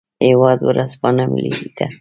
هیواد ورځپاڼه ملي ده